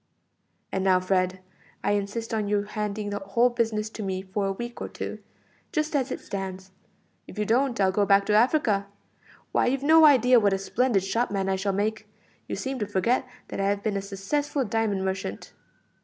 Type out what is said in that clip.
"And now, Fred, I insist on your handing the whole business over to me for a week or two, just as it stands; if you don't I'll go back to Africa. Why, you've no idea what a splendid shopman I shall make. You seem to forget that I have been a successful diamond merchant."